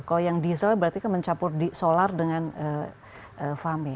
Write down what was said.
kalau yang diesel berarti kan mencampur solar dengan fame